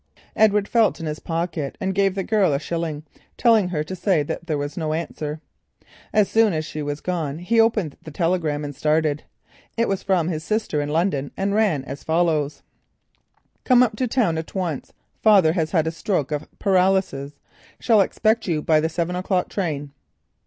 Edward felt in his pocket and gave the girl a shilling, telling her to say that there was no answer. As soon as she had gone, he opened the telegram. It was from his sister in London, and ran as follows: "Come up to town at once. Father has had a stroke of paralysis. Shall expect you by the seven o'clock train."